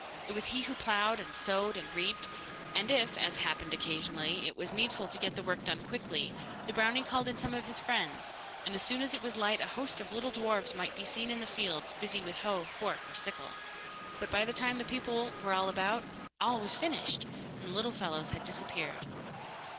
It was he who ploughed and sowed and reaped, and if, as happened, occasionally, it was needful to get the work done quickly, the brownie called in some of his friends, and as soon as it was light a host of little dwarfs might have been seen in the fields, busy with hoe, fork or sickle. But by the time the people were about all was finished, and the little fellows had disappeared.